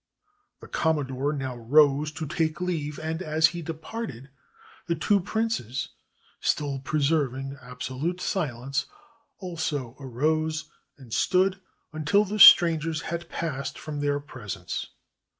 The Commodore now rose to take leave, and, as he de parted, the two princes, still preserving absolute silence, also arose and stood until the strangers had passed from their presence.